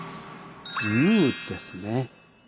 「優」ですね。